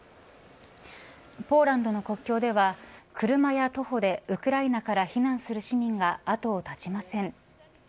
ポーランドの国境では車や徒歩でウクライナから避難する市民が後を絶ちません。